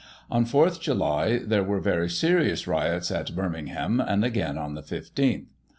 On 4th July there were very serious riots at Birmingham, and again on the 15th.